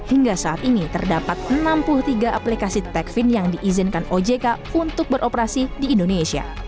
hingga saat ini terdapat enam puluh tiga aplikasi techfin yang diizinkan ojk untuk beroperasi di indonesia